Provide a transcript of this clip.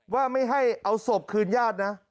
ว่าไม่ให้เอาศพคืนญาตินะ